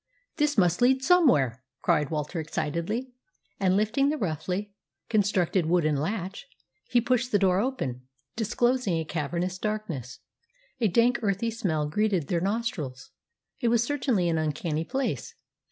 "This must lead somewhere!" cried Walter excitedly; and, lifting the roughly constructed wooden latch, he pushed the door open, disclosing a cavernous darkness. A dank, earthy smell greeted their nostrils. It was certainly an uncanny place.